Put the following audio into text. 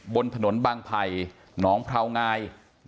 บนถนนบางไผ่หนองพราวงาย